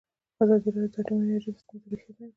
ازادي راډیو د اټومي انرژي د ستونزو رېښه بیان کړې.